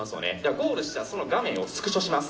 ゴールしたその画面をスクショします。